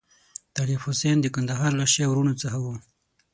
طالب حسین د کندهار له شیعه وروڼو څخه وو.